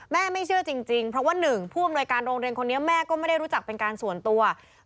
ไม่เชื่อจริงเพราะว่าหนึ่งผู้อำนวยการโรงเรียนคนนี้แม่ก็ไม่ได้รู้จักเป็นการส่วนตัว